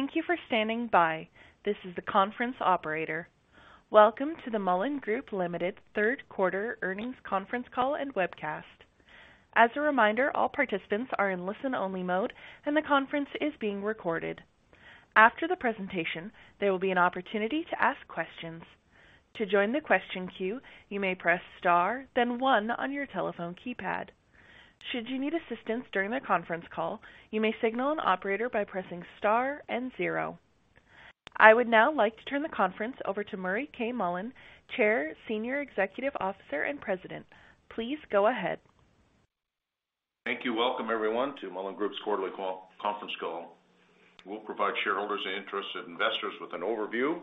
Thank you for standing by. This is the conference operator. Welcome to the Mullen Group Ltd. Third Quarter Earnings Conference Call and Webcast. As a reminder, all participants are in listen-only mode, and the conference is being recorded. After the presentation, there will be an opportunity to ask questions. To join the question queue, you may press star then one on your telephone keypad. Should you need assistance during the conference call, you may signal an operator by pressing star and zero. I would now like to turn the conference over to Murray K. Mullen, Chair, Senior Executive Officer, and President. Please go ahead. Thank you. Welcome, everyone, to Mullen Group's conference call. We'll provide shareholders and interested investors with an overview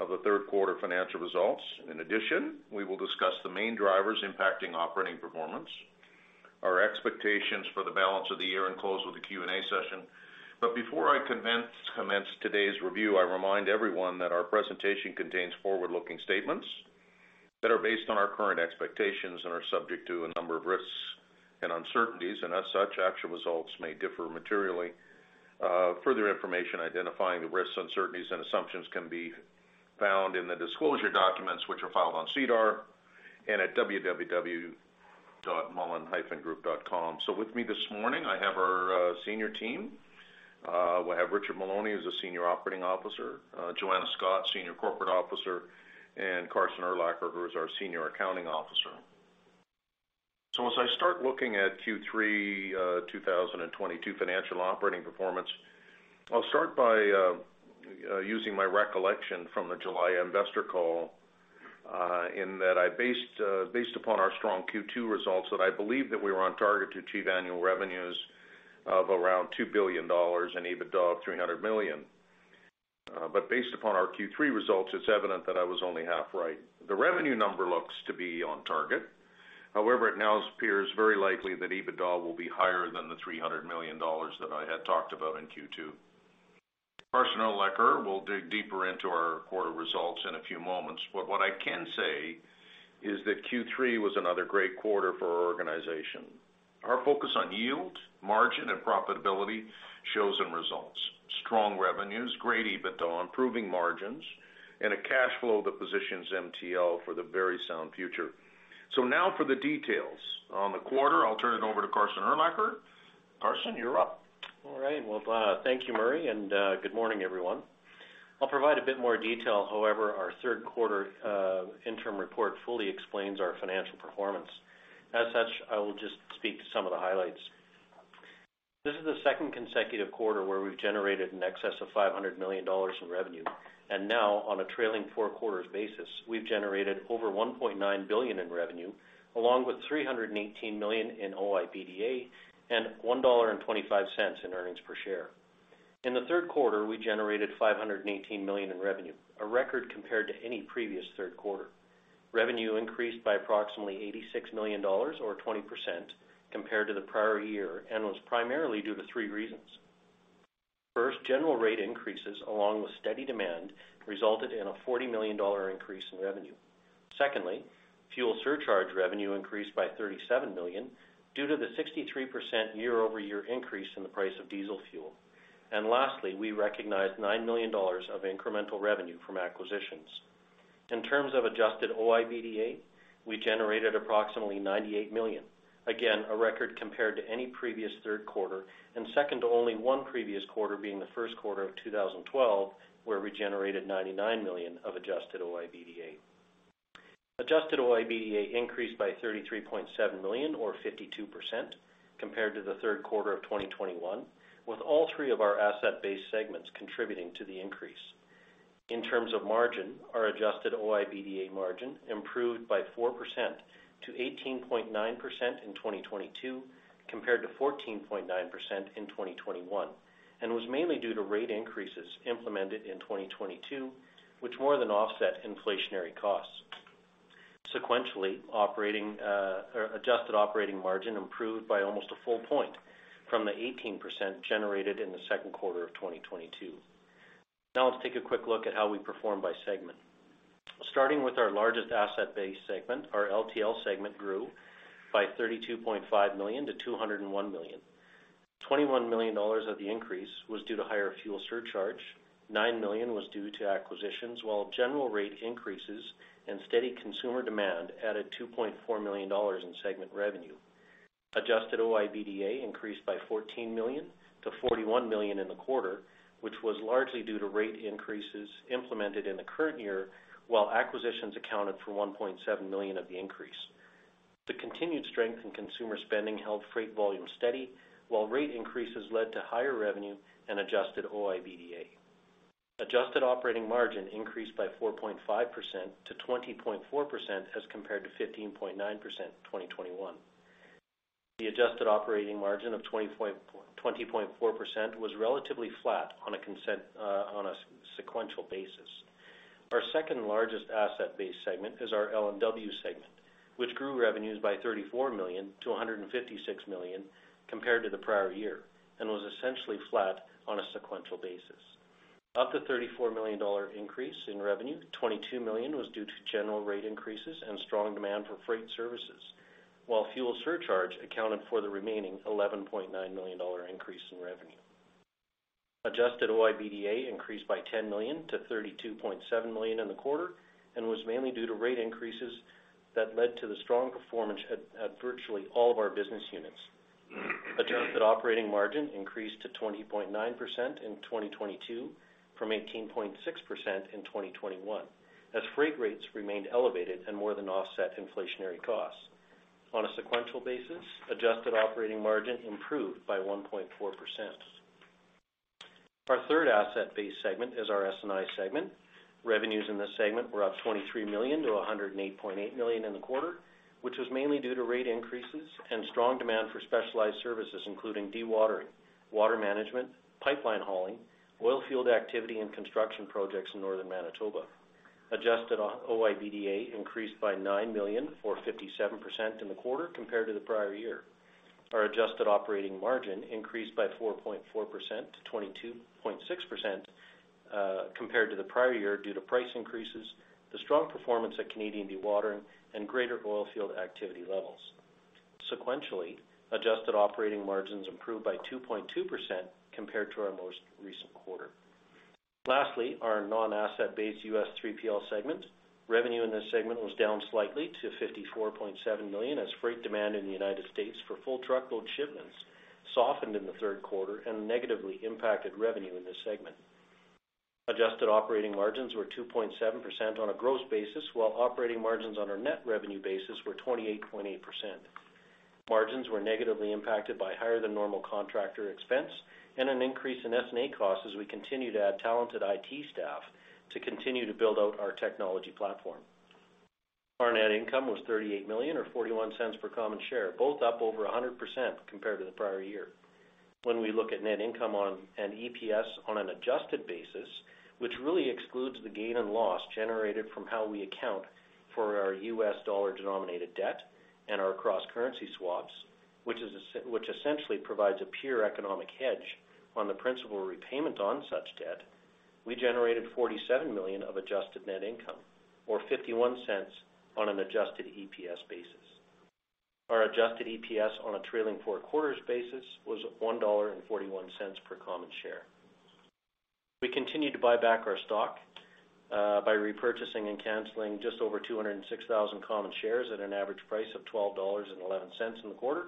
of the third quarter financial results. In addition, we will discuss the main drivers impacting operating performance, our expectations for the balance of the year, and close with the Q&A session. Before I commence today's review, I remind everyone that our presentation contains forward-looking statements that are based on our current expectations and are subject to a number of risks and uncertainties, and as such, actual results may differ materially. Further information identifying the risks, uncertainties, and assumptions can be found in the disclosure documents, which are filed on SEDAR and at www.mullen-group.com. With me this morning, I have our senior team. We'll have Richard Maloney as the Senior Operating Officer, Joanna Scott, Senior Corporate Officer, and Carson Urlacher, who is our Senior Accounting Officer. As I start looking at Q3 2022 financial operating performance, I'll start by using my recollection from the July investor call, in that based upon our strong Q2 results, that I believe that we were on target to achieve annual revenues of around 2 billion dollars and EBITDA of 300 million. Based upon our Q3 results, it's evident that I was only half right. The revenue number looks to be on target. However, it now appears very likely that EBITDA will be higher than the 300 million dollars that I had talked about in Q2. Carson Urlacher will dig deeper into our quarter results in a few moments. what I can say is that Q3 was another great quarter for our organization. Our focus on yield, margin, and profitability shows in results. Strong revenues, great EBITDA, improving margins, and a cash flow that positions MTL for the very sound future. now for the details on the quarter, I'll turn it over to Carson Urlacher. Carson, you're up. All right. Well, thank you, Murray, and good morning, everyone. I'll provide a bit more detail. However, our third quarter interim report fully explains our financial performance. As such, I will just speak to some of the highlights. This is the second consecutive quarter where we've generated in excess of 500 million dollars in revenue. Now on a trailing four quarters basis, we've generated over 1.9 billion in revenue, along with 318 million in OIBDA and 1.25 dollar in earnings per share. In the third quarter, we generated 518 million in revenue, a record compared to any previous third quarter. Revenue increased by approximately 86 million dollars or 20% compared to the prior year and was primarily due to three reasons. First, general rate increases along with steady demand resulted in a 40 million dollar increase in revenue. Secondly, fuel surcharge revenue increased by 37 million due to the 63% year-over-year increase in the price of diesel fuel. Lastly, we recognized 9 million dollars of incremental revenue from acquisitions. In terms of adjusted OIBDA, we generated approximately 98 million. Again, a record compared to any previous third quarter and second to only one previous quarter being the first quarter of 2012, where we generated 99 million of adjusted OIBDA. Adjusted OIBDA increased by 33.7 million or 52% compared to the third quarter of 2021, with all three of our asset-based segments contributing to the increase. In terms of margin, our adjusted OIBDA margin improved by 4%-18.9% in 2022 compared to 14.9% in 2021, and was mainly due to rate increases implemented in 2022, which more than offset inflationary costs. Sequentially, operating, or adjusted operating margin improved by almost a full point from the 18% generated in the second quarter of 2022. Now let's take a quick look at how we perform by segment. Starting with our largest asset-based segment, our LTL segment grew by 32.5 million-201 million. 21 million dollars of the increase was due to higher fuel surcharge, 9 million was due to acquisitions, while general rate increases and steady consumer demand added 2.4 million dollars in segment revenue. Adjusted OIBDA increased by 14 million-41 million in the quarter, which was largely due to rate increases implemented in the current year, while acquisitions accounted for 1.7 million of the increase. The continued strength in consumer spending held freight volume steady, while rate increases led to higher revenue and adjusted OIBDA. Adjusted operating margin increased by 4.5%-20.4% as compared to 15.9% in 2021. The adjusted operating margin of 20.4% was relatively flat on a sequential basis. Our second-largest asset-based segment is our L&W segment, which grew revenues by 34 million-156 million compared to the prior year and was essentially flat on a sequential basis. Of the 34 million dollar increase in revenue, 22 million was due to general rate increases and strong demand for freight services. While fuel surcharge accounted for the remaining 11.9 million dollar increase in revenue. Adjusted OIBDA increased by 10 million-32.7 million in the quarter, and was mainly due to rate increases that led to the strong performance at virtually all of our business units. Adjusted operating margin increased to 20.9% in 2022 from 18.6% in 2021 as freight rates remained elevated and more than offset inflationary costs. On a sequential basis, adjusted operating margin improved by 1.4%. Our third asset-based segment is our S&I segment. Revenues in this segment were up 23 million-108.8 million in the quarter, which was mainly due to rate increases and strong demand for specialized services, including dewatering, water management, pipeline hauling, oil field activity, and construction projects in Northern Manitoba. Adjusted OIBDA increased by 9 million, or 57% in the quarter compared to the prior year. Our adjusted operating margin increased by 4.4%-22.6% compared to the prior year due to price increases, the strong performance at Canadian Dewatering, and greater oil field activity levels. Sequentially, adjusted operating margins improved by 2.2% compared to our most recent quarter. Lastly, our non-asset-based US 3PL segment. Revenue in this segment was down slightly to 54.7 million as freight demand in the United States for full truckload shipments softened in the third quarter and negatively impacted revenue in this segment. Adjusted operating margins were 2.7% on a gross basis, while operating margins on our net revenue basis were 28.8%. Margins were negatively impacted by higher than normal contractor expense and an increase in S&A costs as we continue to add talented IT staff to continue to build out our technology platform. Our net income was 38 million or 0.41 per common share, both up over 100% compared to the prior year. When we look at net income and EPS on an adjusted basis, which really excludes the gain and loss generated from how we account for our US dollar-denominated debt and our cross-currency swaps, which essentially provides a pure economic hedge on the principal repayment on such debt, we generated 47 million of adjusted net income, or 0.51 on an adjusted EPS basis. Our adjusted EPS on a trailing four quarters basis was 1.41 dollar per common share. We continue to buy back our stock by repurchasing and canceling just over 206,000 common shares at an average price of 12.11 dollars in the quarter.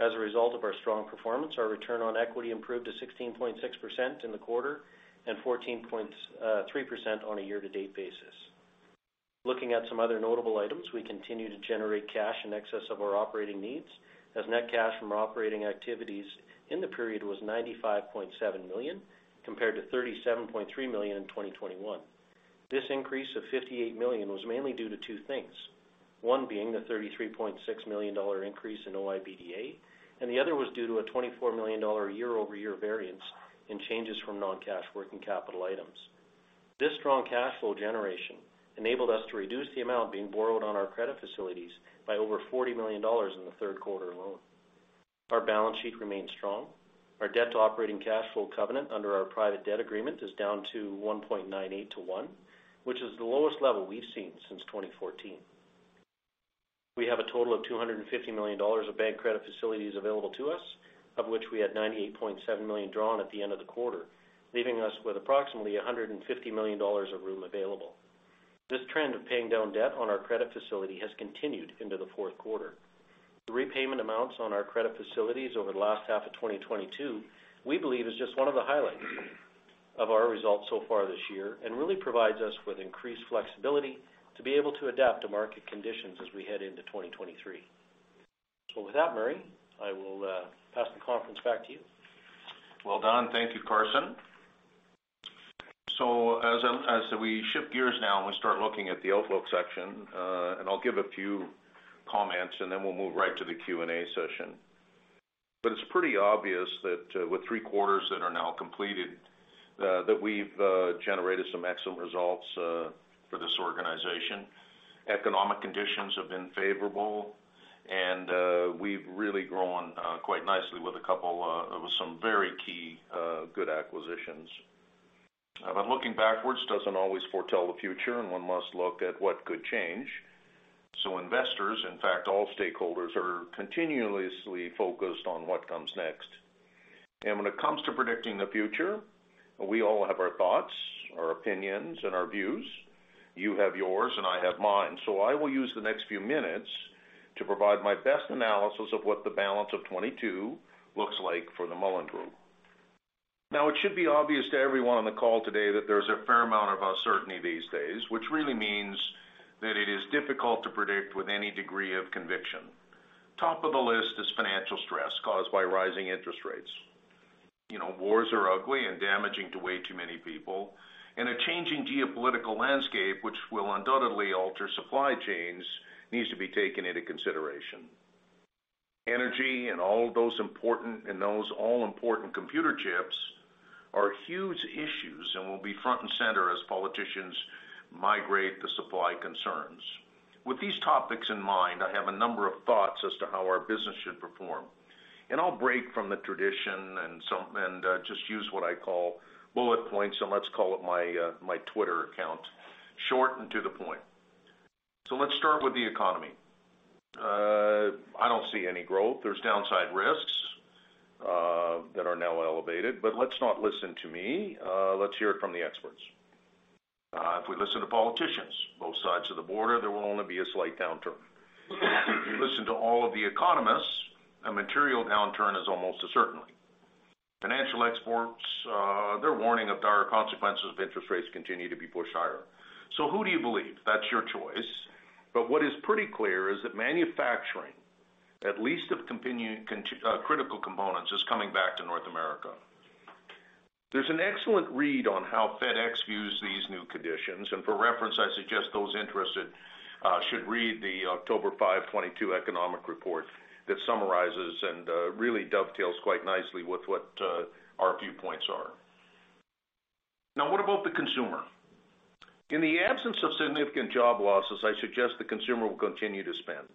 As a result of our strong performance, our return on equity improved to 16.6% in the quarter and 14.3% on a year-to-date basis. Looking at some other notable items, we continue to generate cash in excess of our operating needs, as net cash from operating activities in the period was 95.7 million, compared to 37.3 million in 2021. This increase of 58 million was mainly due to two things. One being the 33.6 million dollar increase in OIBDA, and the other was due to a 24 million dollar year-over-year variance in changes from non-cash working capital items. This strong cash flow generation enabled us to reduce the amount being borrowed on our credit facilities by over 40 million dollars in the third quarter alone. Our balance sheet remained strong. Our debt to operating cash flow covenant under our private debt agreement is down to 1.98 to 1, which is the lowest level we've seen since 2014. We have a total of 250 million dollars of bank credit facilities available to us, of which we had 98.7 million drawn at the end of the quarter, leaving us with approximately 150 million dollars of room available. This trend of paying down debt on our credit facility has continued into the fourth quarter. The repayment amounts on our credit facilities over the last half of 2022, we believe is just one of the highlights of our results so far this year and really provides us with increased flexibility to be able to adapt to market conditions as we head into 2023. With that, Murray, I will pass the conference back to you. Well done. Thank you, Carson. As we shift gears now and we start looking at the outlook section, and I'll give a few comments, and then we'll move right to the Q&A session. It's pretty obvious that with 3 quarters that are now completed, that we've generated some excellent results for this organization. Economic conditions have been favorable, and we've really grown quite nicely with some very key good acquisitions. Looking backwards doesn't always foretell the future, and one must look at what could change. Investors, in fact, all stakeholders, are continuously focused on what comes next. When it comes to predicting the future, we all have our thoughts, our opinions, and our views. You have yours, and I have mine. I will use the next few minutes to provide my best analysis of what the balance of 2022 looks like for the Mullen Group. Now it should be obvious to everyone on the call today that there's a fair amount of uncertainty these days, which really means that it is difficult to predict with any degree of conviction. Top of the list is financial stress caused by rising interest rates. You know, wars are ugly and damaging to way too many people, and a changing geopolitical landscape, which will undoubtedly alter supply chains, needs to be taken into consideration. Energy and all of those all-important computer chips are huge issues and will be front and center as politicians migrate the supply concerns. With these topics in mind, I have a number of thoughts as to how our business should perform. I'll break from the tradition and just use what I call bullet points, and let's call it my Twitter account. Short and to the point. Let's start with the economy. I don't see any growth. There's downside risks that are now elevated. Let's not listen to me, let's hear it from the experts. If we listen to politicians, both sides of the border, there will only be a slight downturn. If you listen to all of the economists, a material downturn is almost a certainty. Financial experts, they're warning of dire consequences if interest rates continue to be pushed higher. Who do you believe? That's your choice. What is pretty clear is that manufacturing, at least of critical components, is coming back to North America. There's an excellent read on how FedEx views these new conditions, and for reference, I suggest those interested should read the October 5th, 2022 economic report that summarizes and really dovetails quite nicely with what our viewpoints are. Now, what about the consumer? In the absence of significant job losses, I suggest the consumer will continue to spend.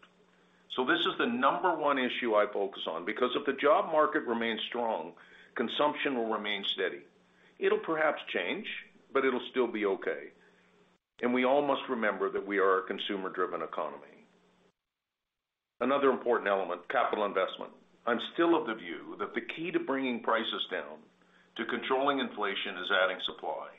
This is the number one issue I focus on, because if the job market remains strong, consumption will remain steady. It'll perhaps change, but it'll still be okay. We all must remember that we are a consumer-driven economy. Another important element, capital investment. I'm still of the view that the key to bringing prices down, to controlling inflation, is adding supply.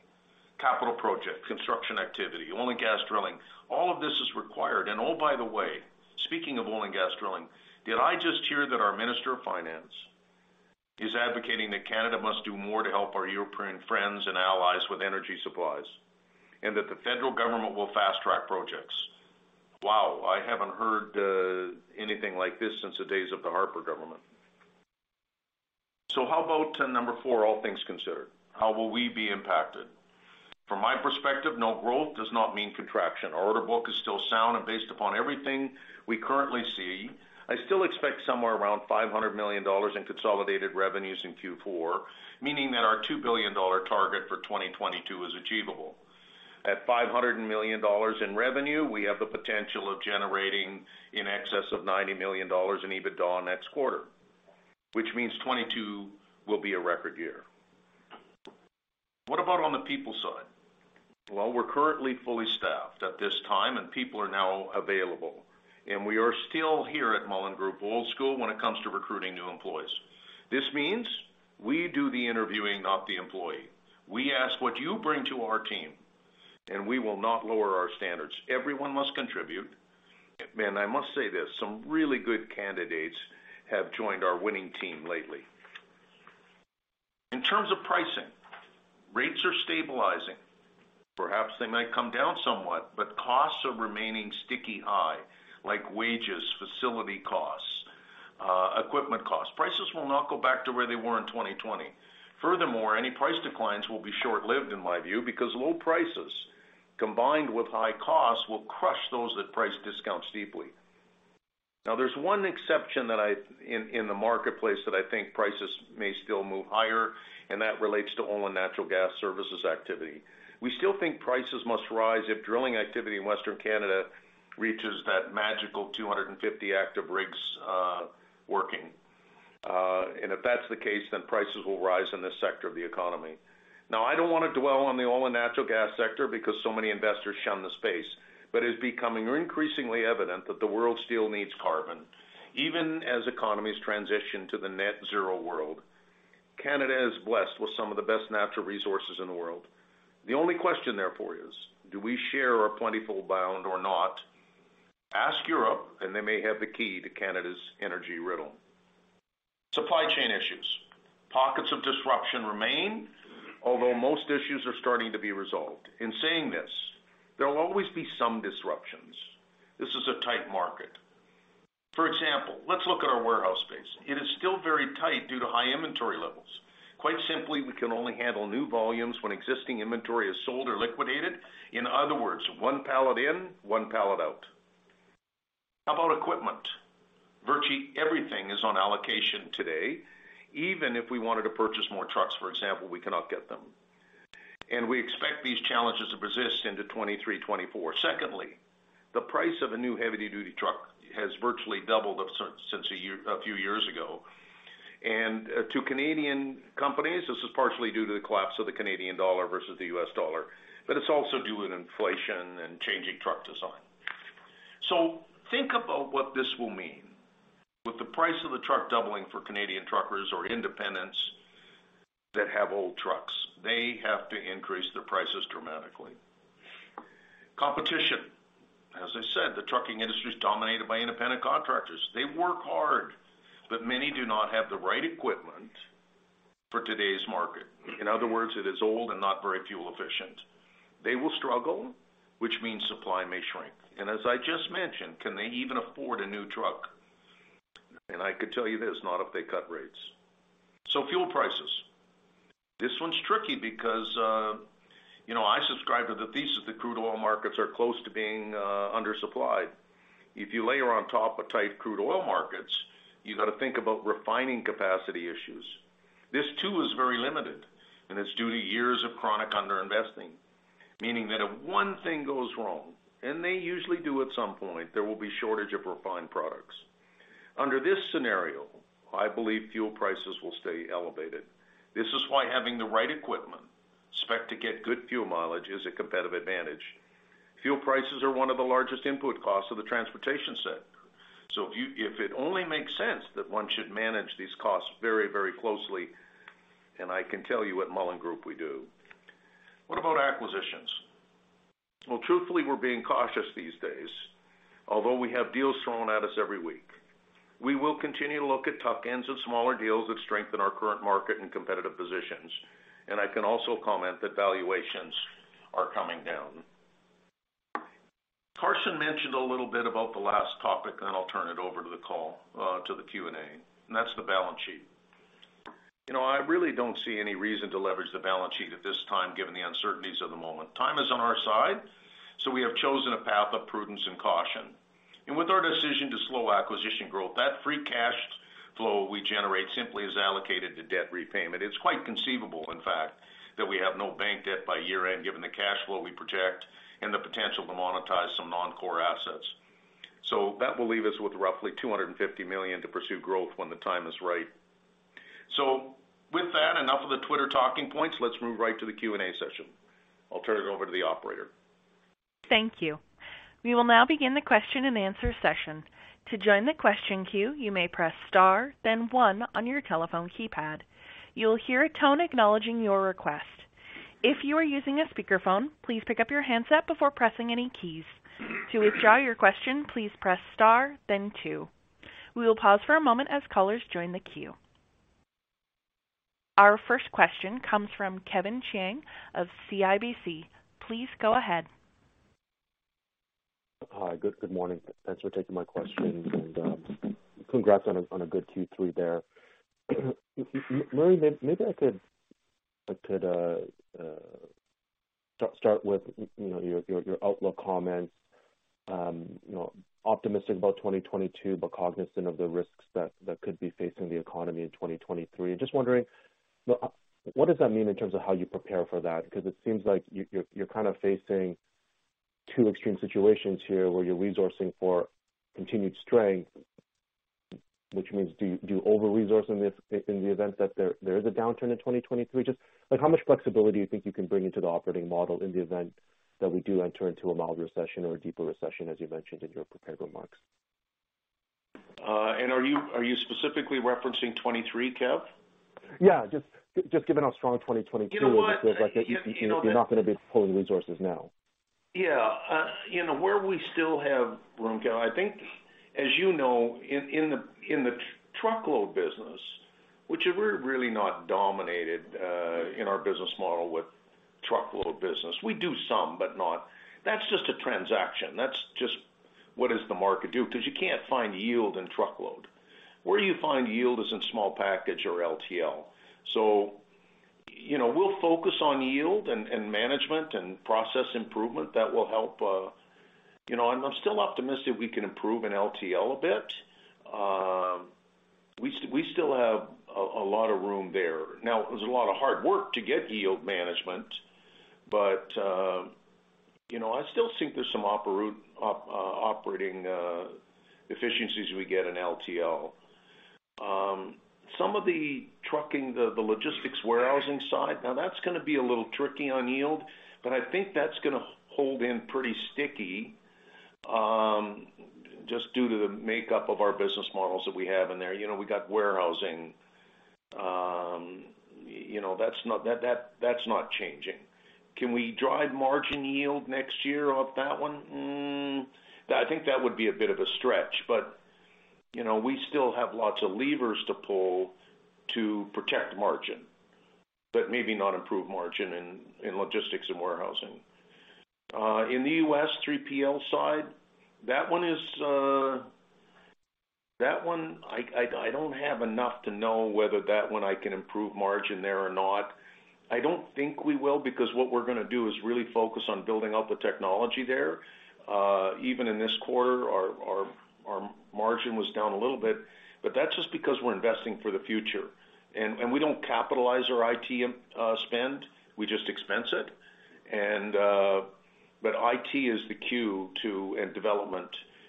Capital projects, construction activity, oil and gas drilling, all of this is required. Oh, by the way, speaking of oil and gas drilling, did I just hear that our Minister of Finance is advocating that Canada must do more to help our European friends and allies with energy supplies, and that the federal government will fast-track projects? Wow. I haven't heard anything like this since the days of the Harper government. How about number four, all things considered? How will we be impacted? From my perspective, no growth does not mean contraction. Our order book is still sound and based upon everything we currently see, I still expect somewhere around 500 million dollars in consolidated revenues in Q4, meaning that our 2 billion dollar target for 2022 is achievable. At 500 million dollars in revenue, we have the potential of generating in excess of 90 million dollars in EBITDA next quarter, which means 2022 will be a record year. What about on the people side? Well, we're currently fully staffed at this time and people are now available, and we are still here at Mullen Group, old school, when it comes to recruiting new employees. This means we do the interviewing, not the employee. We ask what you bring to our team, and we will not lower our standards. Everyone must contribute. I must say this, some really good candidates have joined our winning team lately. In terms of pricing, rates are stabilizing. Perhaps they might come down somewhat, but costs are remaining sticky high, like wages, facility costs, equipment costs. Prices will not go back to where they were in 2020. Furthermore, any price declines will be short-lived in my view, because low prices combined with high costs will crush those that price discounts deeply. Now, there's one exception in the marketplace that I think prices may still move higher, and that relates to oil and natural gas services activity. We still think prices must rise if drilling activity in Western Canada reaches that magical 250 active rigs working. If that's the case, then prices will rise in this sector of the economy. Now, I don't wanna dwell on the oil and natural gas sector because so many investors shun the space, but it's becoming increasingly evident that the world still needs carbon, even as economies transition to the net zero world. Canada is blessed with some of the best natural resources in the world. The only question, therefore, is, do we share our plentiful bound or not? Ask Europe, and they may have the key to Canada's energy riddle. Supply chain issues. Pockets of disruption remain, although most issues are starting to be resolved. In saying this, there will always be some disruptions. This is a tight market. For example, let's look at our warehouse space. It is still very tight due to high inventory levels. Quite simply, we can only handle new volumes when existing inventory is sold or liquidated. In other words, one pallet in, one pallet out. How about equipment? Virtually everything is on allocation today. Even if we wanted to purchase more trucks, for example, we cannot get them. We expect these challenges to persist into 2023, 2024. Secondly, the price of a new heavy-duty truck has virtually doubled up since a few years ago. To Canadian companies, this is partially due to the collapse of the Canadian dollar versus the U.S. dollar, but it's also due to inflation and changing truck design. Think about what this will mean. With the price of the truck doubling for Canadian truckers or independents that have old trucks, they have to increase their prices dramatically. Competition. As I said, the trucking industry is dominated by independent contractors. They work hard, but many do not have the right equipment for today's market. In other words, it is old and not very fuel efficient. They will struggle, which means supply may shrink. As I just mentioned, can they even afford a new truck? I could tell you this, not if they cut rates. Fuel prices. This one's tricky because, you know, I subscribe to the thesis that crude oil markets are close to being undersupplied. If you layer on top of tight crude oil markets, you gotta think about refining capacity issues. This too is very limited, and it's due to years of chronic underinvesting. Meaning that if one thing goes wrong, and they usually do at some point, there will be shortage of refined products. Under this scenario, I believe fuel prices will stay elevated. This is why having the right equipment spec-ed to get good fuel mileage is a competitive advantage. Fuel prices are one of the largest input costs of the transportation sector. If it only makes sense that one should manage these costs very, very closely, and I can tell you at Mullen Group, we do. What about acquisitions? Well, truthfully, we're being cautious these days, although we have deals thrown at us every week. We will continue to look at tuck-ins and smaller deals that strengthen our current market and competitive positions, and I can also comment that valuations are coming down. Carson mentioned a little bit about the last topic, then I'll turn it over to the call, to the Q&A, and that's the balance sheet. You know, I really don't see any reason to leverage the balance sheet at this time, given the uncertainties of the moment. Time is on our side, so we have chosen a path of prudence and caution. With our decision to slow acquisition growth, that free cash flow we generate simply is allocated to debt repayment. It's quite conceivable, in fact, that we have no bank debt by year-end, given the cash flow we project and the potential to monetize some non-core assets. That will leave us with roughly 250 million to pursue growth when the time is right. With that, enough of the Twitter talking points, let's move right to the Q&A session. I'll turn it over to the operator. Thank you. We will now begin the question-and-answer session. To join the question queue, you may press star then one on your telephone keypad. You will hear a tone acknowledging your request. If you are using a speakerphone, please pick up your handset before pressing any keys. To withdraw your question, please press star then two. We will pause for a moment as callers join the queue. Our first question comes from Kevin Chiang of CIBC. Please go ahead. Hi. Good morning. Thanks for taking my question and, congrats on a good Q3 there. Murray, maybe I could start with, you know, your outlook comments. You know, optimistic about 2022, but cognizant of the risks that could be facing the economy in 2023. Just wondering, what does that mean in terms of how you prepare for that? Because it seems like you're kind of facing two extreme situations here, where you're resourcing for continued strength, which means do you over-resource in the event that there is a downturn in 2023? Just like how much flexibility you think you can bring into the operating model in the event that we do enter into a mild recession or a deeper recession, as you mentioned in your prepared remarks. Are you specifically referencing 23, Kev? Just given how strong 2022 is. You know what? It feels like you're not gonna be pulling resources now. Yeah. You know, where we still have room, Kev, I think, as you know, in the truckload business, which we're really not dominated in our business model with truckload business. We do some, but not. That's just a transaction. That's just what does the market do? Because you can't find yield in truckload. Where you find yield is in small package or LTL. You know, we'll focus on yield and management and process improvement that will help. You know, I'm still optimistic we can improve in LTL a bit. We still have a lot of room there. Now, it was a lot of hard work to get yield management, but you know, I still think there's some operating efficiencies we get in LTL. Some of the trucking, the logistics warehousing side, now that's gonna be a little tricky on yield, but I think that's gonna hold in pretty sticky, just due to the makeup of our business models that we have in there. You know, we got warehousing. You know, that's not changing. Can we drive margin yield next year off that one? I think that would be a bit of a stretch. You know, we still have lots of levers to pull to protect margin, but maybe not improve margin in logistics and warehousing. In the U.S. 3PL side, that one, I don't have enough to know whether I can improve margin there or not. I don't think we will because what we're gonna do is really focus on building out the technology there. Even in this quarter, our margin was down a little bit, but that's just because we're investing for the future. We don't capitalize our IT spend. We just expense it. IT is the key to and development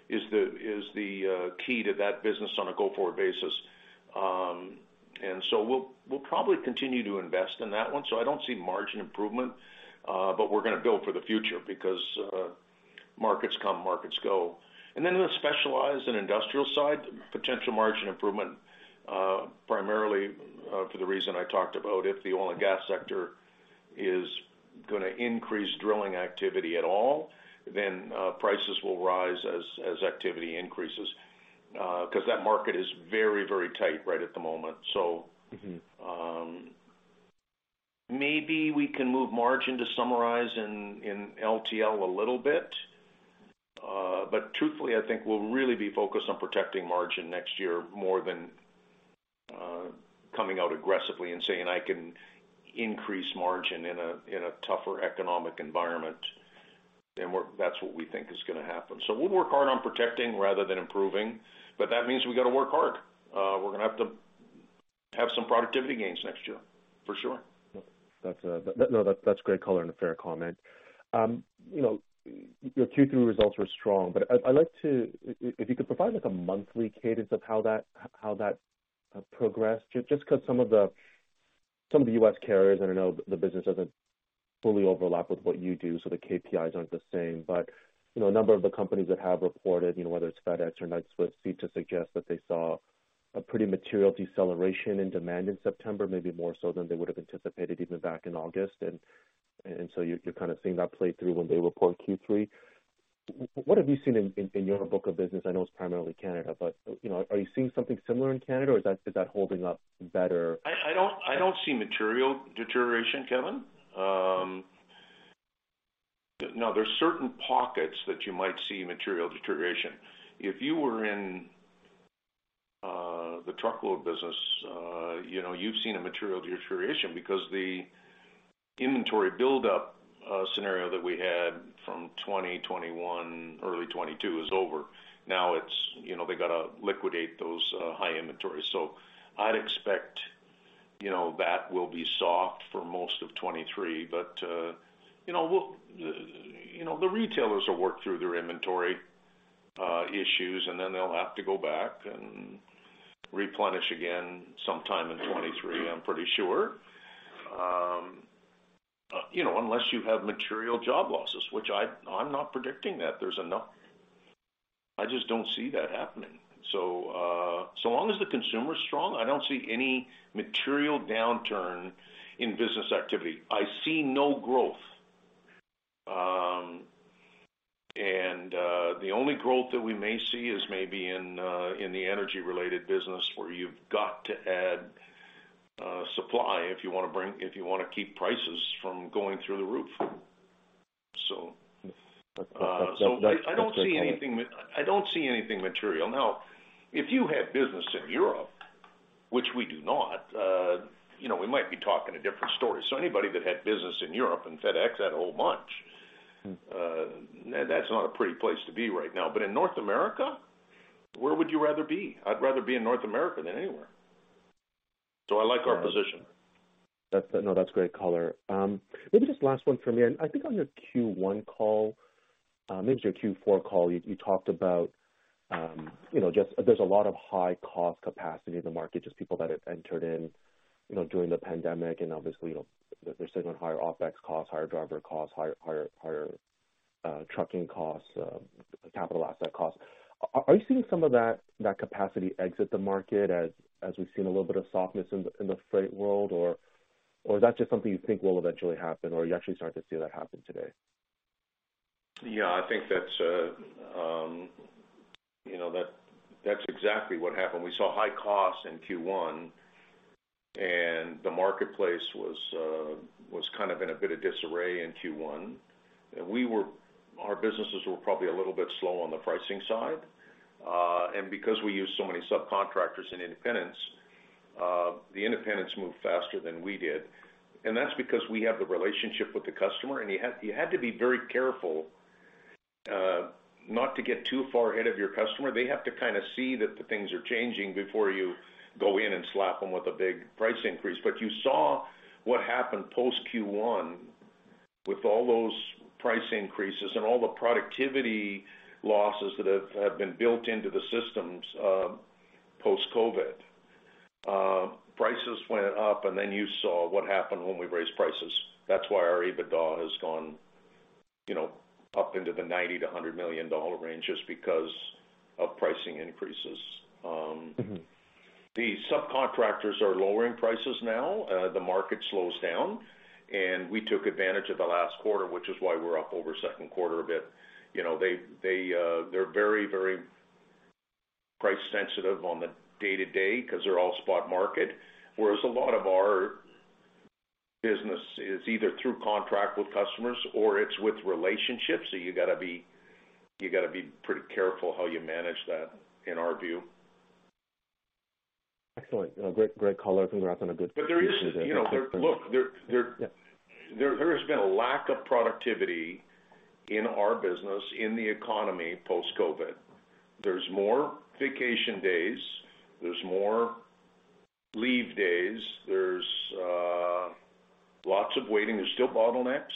is the key to that business on a go-forward basis. We'll probably continue to invest in that one. I don't see margin improvement, but we're gonna build for the future because markets come, markets go. In the specialized and industrial side, potential margin improvement, primarily, for the reason I talked about, if the oil and gas sector is gonna increase drilling activity at all, then prices will rise as activity increases, 'cause that market is very, very tight right at the moment, so. Mm-hmm. Maybe we can move margin to summarize in LTL a little bit. Truthfully, I think we'll really be focused on protecting margin next year more than coming out aggressively and saying, "I can increase margin in a tougher economic environment." That's what we think is gonna happen. We'll work hard on protecting rather than improving, but that means we got to work hard. We're gonna have to have some productivity gains next year, for sure. That's great color and a fair comment. You know, your Q3 results were strong, but I'd like to if you could provide like a monthly cadence of how that progressed just 'cause some of the U.S. carriers, and I know the business doesn't fully overlap with what you do, so the KPIs aren't the same. You know, a number of the companies that have reported, you know, whether it's FedEx or Knight-Swift, seem to suggest that they saw a pretty material deceleration in demand in September, maybe more so than they would have anticipated even back in August. You're kind of seeing that play through when they report Q3. What have you seen in your book of business? I know it's primarily Canada, but, you know, are you seeing something similar in Canada or is that holding up better? I don't see material deterioration, Kevin. Now there are certain pockets that you might see material deterioration. If you were in the truckload business, you know, you've seen a material deterioration because the inventory buildup scenario that we had from 2021, early 2022 is over. Now it's, you know, they gotta liquidate those high inventories. So I'd expect, you know, that will be soft for most of 2023. You know, the retailers will work through their inventory issues, and then they'll have to go back and replenish again sometime in 2023, I'm pretty sure. You know, unless you have material job losses, which I'm not predicting that. I just don't see that happening. so long as the consumer is strong, I don't see any material downturn in business activity. I see no growth. The only growth that we may see is maybe in the energy-related business where you've got to add supply if you wanna keep prices from going through the roof. That's great color. I don't see anything material. Now, if you have business in Europe, which we do not, you know, we might be talking a different story. Anybody that had business in Europe and FedEx had a whole bunch, that's not a pretty place to be right now. In North America, where would you rather be? I'd rather be in North America than anywhere. I like our position. No, that's great color. Maybe just last one from me. I think on your Q1 call, maybe your Q4 call, you talked about, you know, just there's a lot of high cost capacity in the market, just people that have entered in, you know, during the pandemic. Obviously, you know, they're sitting on higher OpEx costs, higher driver costs, higher trucking costs, capital asset costs. Are you seeing some of that capacity exit the market as we've seen a little bit of softness in the freight world, or is that just something you think will eventually happen or are you actually starting to see that happen today? Yeah, I think that's, you know, that's exactly what happened. We saw high costs in Q1 and the marketplace was kind of in a bit of disarray in Q1. Our businesses were probably a little bit slow on the pricing side. Because we use so many subcontractors and independents, the independents moved faster than we did. That's because we have the relationship with the customer. You had to be very careful not to get too far ahead of your customer. They have to kinda see that the things are changing before you go in and slap them with a big price increase. You saw what happened post Q1 with all those price increases and all the productivity losses that have been built into the systems post-COVID. Prices went up, and then you saw what happened when we raised prices. That's why our EBITDA has gone, you know, up into the 90 million-100 million dollar range just because of pricing increases. Mm-hmm. The subcontractors are lowering prices now. The market slows down, and we took advantage of the last quarter, which is why we're up over second quarter a bit. You know, they're very, very price sensitive on the day-to-day 'cause they're all spot market, whereas a lot of our business is either through contract with customers or it's with relationships. You gotta be pretty careful how you manage that in our view. Excellent. Great color. Congrats on a good There is, you know, look there. Yeah. There has been a lack of productivity in our business in the economy post-COVID. There's more vacation days, there's more leave days, there's lots of waiting. There's still bottlenecks,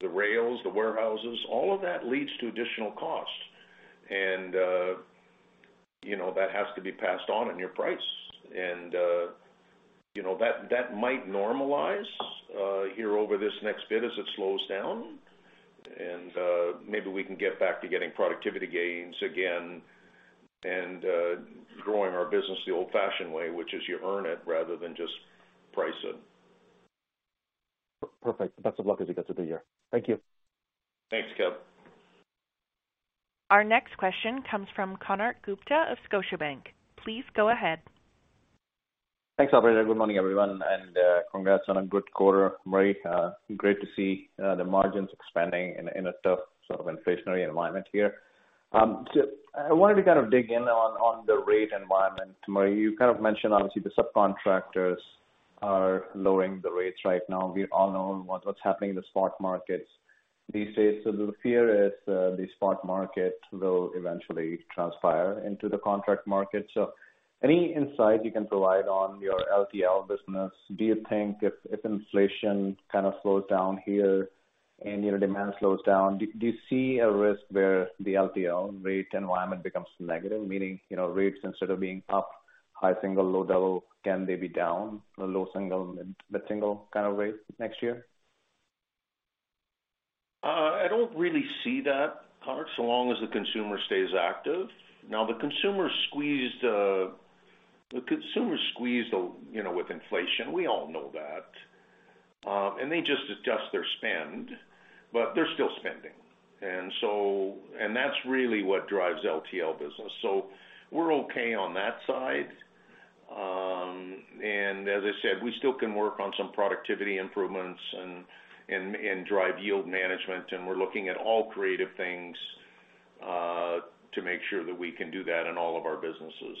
the rails, the warehouses, all of that leads to additional cost. You know, that has to be passed on in your price. You know, that might normalize here over this next bit as it slows down. Maybe we can get back to getting productivity gains again and growing our business the old-fashioned way, which is you earn it rather than just price it. Perfect. Best of luck as you get through the year. Thank you. Thanks, Kev. Our next question comes from Konark Gupta of Scotiabank. Please go ahead. Thanks, operator. Good morning, everyone, and congrats on a good quarter, Murray. Great to see the margins expanding in a tough sort of inflationary environment here. I wanted to kind of dig in on the rate environment, Murray. You kind of mentioned obviously the subcontractors are lowering the rates right now. We all know what's happening in the spot markets these days. The fear is the spot market will eventually transpire into the contract market. Any insight you can provide on your LTL business. Do you think if inflation kind of slows down here and you know demand slows down, do you see a risk where the LTL rate environment becomes negative? Meaning, you know, rates instead of being up high single, low double, can they be down low single, mid-single kind of rate next year? I don't really see that, Konark Gupta, so long as the consumer stays active. Now, the consumer squeezed, you know, with inflation. We all know that. They just adjust their spend, but they're still spending. And that's really what drives LTL business. So we're okay on that side. And as I said, we still can work on some productivity improvements and drive yield management, and we're looking at all creative things to make sure that we can do that in all of our businesses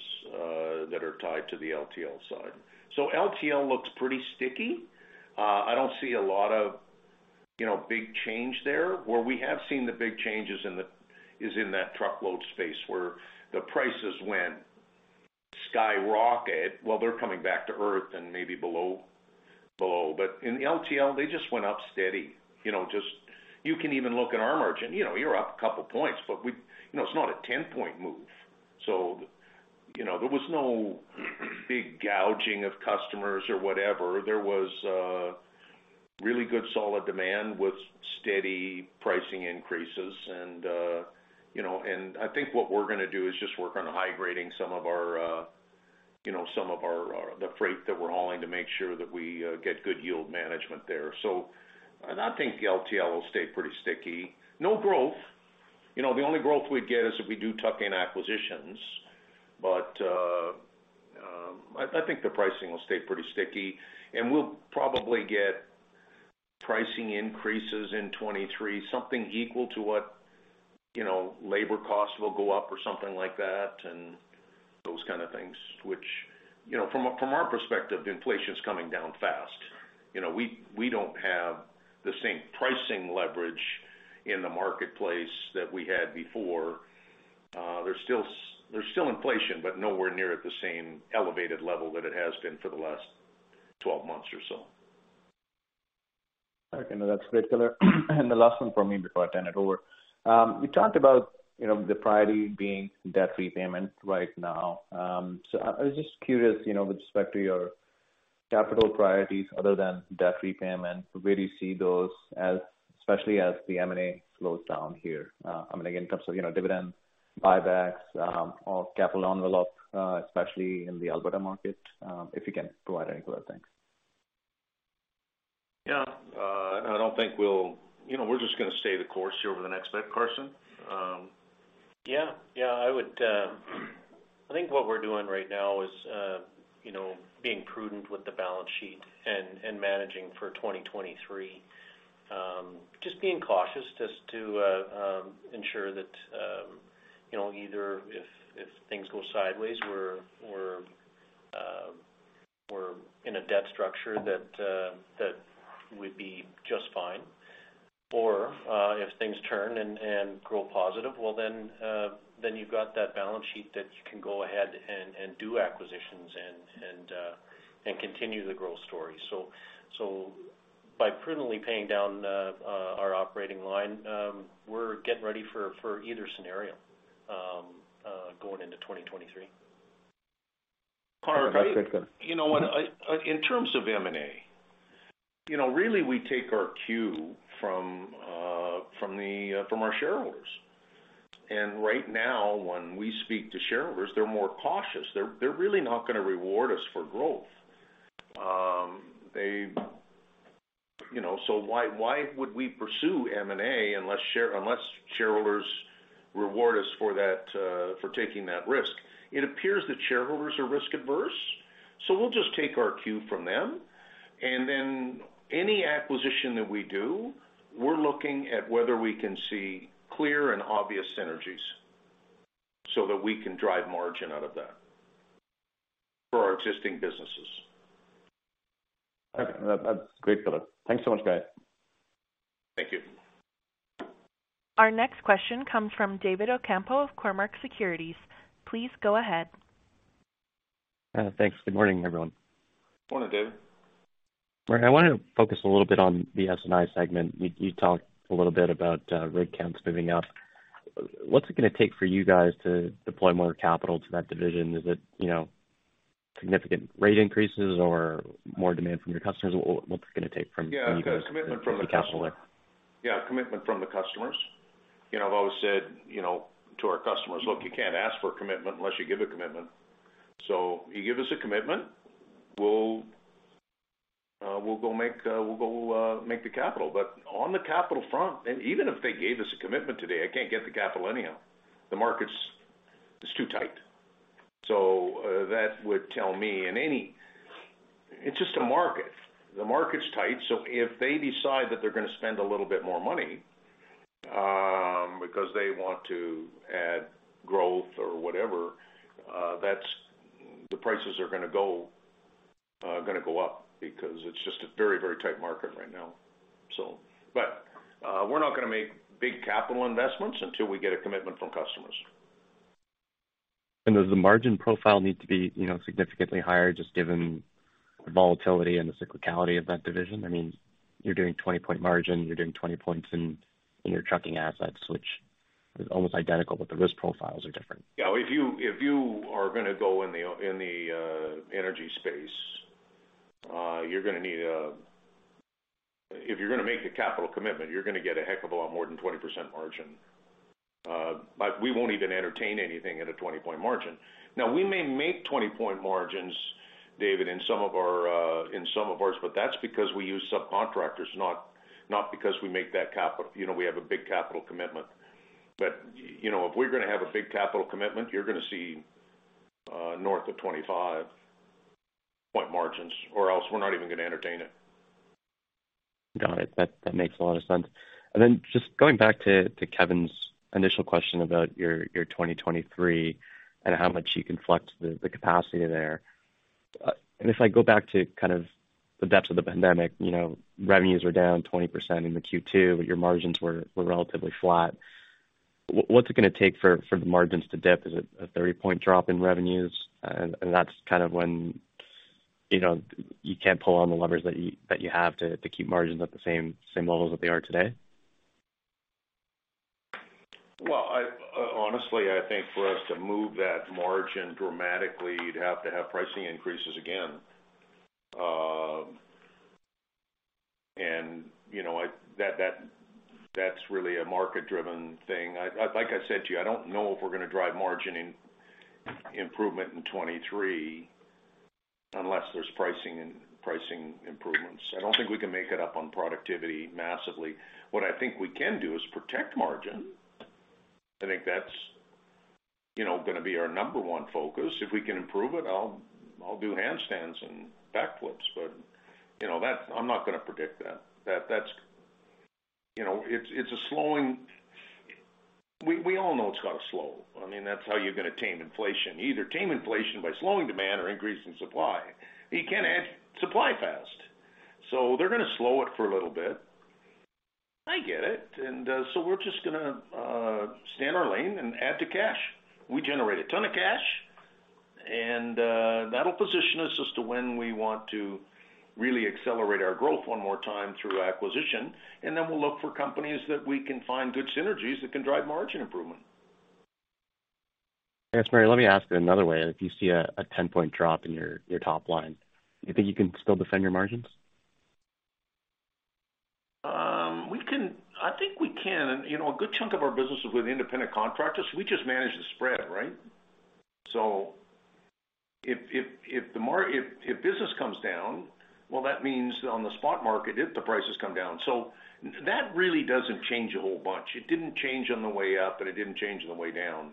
that are tied to the LTL side. So LTL looks pretty sticky. I don't see a lot of, you know, big change there. Where we have seen the big changes is in that truckload space, where the prices skyrocketed. Well, they're coming back to earth and maybe below. In the LTL, they just went up steady. You know, you can even look at our margin. You know, you're up a couple of points, but you know, it's not a ten-point move. You know, there was no big gouging of customers or whatever. There was a really good, solid demand with steady pricing increases. I think what we're gonna do is just work on high grading some of our freight that we're hauling to make sure that we get good yield management there. I think the LTL will stay pretty sticky. No growth. You know, the only growth we'd get is if we do tuck-in acquisitions. I think the pricing will stay pretty sticky, and we'll probably get pricing increases in 2023, something equal to what, you know, labor costs will go up or something like that, and those kind of things. You know, from our perspective, inflation's coming down fast. You know, we don't have the same pricing leverage in the marketplace that we had before. There's still inflation, but nowhere near at the same elevated level that it has been for the last 12 months or so. Okay. No, that's great, color. The last one from me before I turn it over. You talked about, you know, the priority being debt repayment right now. I was just curious, you know, with respect to your capital priorities other than debt repayment, where do you see those as, especially as the M&A slows down here? I mean, again, in terms of, you know, dividend buybacks, or capital envelope, especially in the Alberta market, if you can provide any color. Thanks. Yeah. You know, we're just gonna stay the course here over the next bit, Carson. Yeah. Yeah. I would, I think what we're doing right now is, you know, being prudent with the balance sheet and managing for 2023. Just being cautious just to ensure that, you know, either if things go sideways, we're in a debt structure that would be just fine. Or, if things turn and grow positive, well, then you've got that balance sheet that you can go ahead and do acquisitions and continue the growth story. So by prudently paying down our operating line, we're getting ready for either scenario going into 2023. Konark- That's great, color. You know what? In terms of M&A, you know, really we take our cue from our shareholders. Right now, when we speak to shareholders, they're more cautious. They're really not gonna reward us for growth. You know, why would we pursue M&A unless shareholders reward us for that for taking that risk? It appears that shareholders are risk averse, so we'll just take our cue from them. Then any acquisition that we do, we're looking at whether we can see clear and obvious synergies so that we can drive margin out of that for our existing businesses. Okay. That's great, color. Thanks so much, guys. Thank you. Our next question comes from David Ocampo of Cormark Securities. Please go ahead. Thanks. Good morning, everyone. Morning, David. All right. I wanna focus a little bit on the S&I segment. You talked a little bit about rig counts moving up. What's it gonna take for you guys to deploy more capital to that division? Is it, you know, significant rate increases or more demand from your customers? What's it gonna take from you guys? Yeah. Commitment from the To put capital in? Commitment from the customers. You know, I've always said, you know, to our customers, "Look, you can't ask for a commitment unless you give a commitment." You give us a commitment, we'll go make the capital. On the capital front, even if they gave us a commitment today, I can't get the capital anyhow. The market's too tight. That would tell me it's just a market. The market's tight, so if they decide that they're gonna spend a little bit more money, because they want to add growth or whatever, that's the prices are gonna go up because it's just a very, very tight market right now. We're not gonna make big capital investments until we get a commitment from customers. Does the margin profile need to be, you know, significantly higher just given the volatility and the cyclicality of that division? I mean, you're doing 20% margin, you're doing 20% in your trucking assets, which is almost identical, but the risk profiles are different. Yeah. If you are gonna go in the energy space, if you're gonna make a capital commitment, you're gonna get a heck of a lot more than 20% margin. We won't even entertain anything at a 20-point margin. Now, we may make 20-point margins, David, in some of ours, but that's because we use subcontractors, not because we make that capital commitment. You know, we have a big capital commitment. You know, if we're gonna have a big capital commitment, you're gonna see north of 25-point margins or else we're not even gonna entertain it. Got it. That makes a lot of sense. Then just going back to Kevin's initial question about your 2023 and how much you can flex the capacity there. If I go back to kind of the depths of the pandemic, you know, revenues were down 20% in the Q2, but your margins were relatively flat. What's it gonna take for the margins to dip? Is it a 30-point drop in revenues? That's kind of when, you know, you can't pull on the levers that you have to keep margins at the same levels that they are today? Well, honestly, I think for us to move that margin dramatically, you'd have to have pricing increases again. You know, that's really a market driven thing. Like I said to you, I don't know if we're gonna drive margin improvement in 2023 unless there's pricing improvements. I don't think we can make it up on productivity massively. What I think we can do is protect margin. I think that's, you know, gonna be our number one focus. If we can improve it, I'll do handstands and backflips. But, you know, that's. I'm not gonna predict that. That's. You know, it's a slowing. We all know it's gotta slow. I mean, that's how you're gonna tame inflation. You either tame inflation by slowing demand or increasing supply. You can't add supply fast. They're gonna slow it for a little bit. I get it. We're just gonna stay in our lane and add to cash. We generate a ton of cash, and that'll position us as to when we want to really accelerate our growth one more time through acquisition, and then we'll look for companies that we can find good synergies that can drive margin improvement. Yes. Murray, let me ask it another way. If you see a 10-point drop in your top line, you think you can still defend your margins? I think we can. You know, a good chunk of our business is with independent contractors. We just manage the spread, right? If business comes down, well, that means on the spot market, if the prices come down. That really doesn't change a whole bunch. It didn't change on the way up, and it didn't change on the way down.